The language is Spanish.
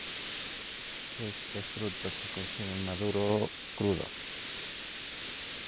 Este fruto se consume maduro, crudo.